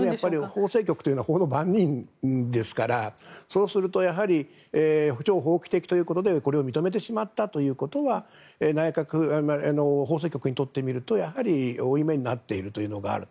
法制局というのは法の番人ですからそうすると超法規的ということでこれを認めてしまったということは法制局にとってみると負い目になっているというのがある。